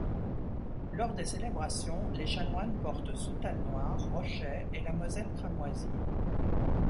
Lors des célébrations, les chanoines portent soutane noire, rochet et la mozette cramoisie.